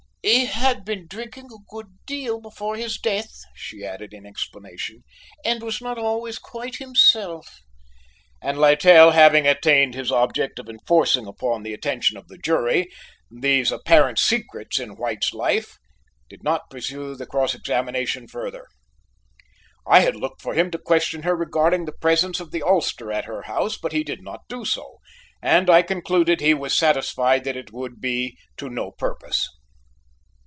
"He had been drinking a good deal before his death," she added in explanation, "and was not always quite himself"; and Littell, having attained his object of enforcing upon the attention of the jury these apparent secrets in White's life, did not pursue the cross examination further. I had looked for him to question her regarding the presence of the ulster at her house but he did not do so, and I concluded he was satisfied that it would be to no purpose.